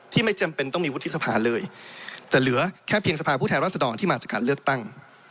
ไม่จำเป็นต้องมีวุฒิสภาเลยแต่เหลือแค่เพียงสภาพผู้แทนรัศดรที่มาจากการเลือกตั้ง